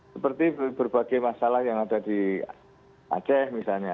seperti berbagai masalah yang ada di aceh misalnya